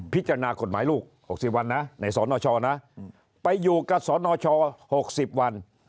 พิจารณากฎหมายลูก๖๐วันนะในสนชนะไปอยู่กับสนช๖๐วัน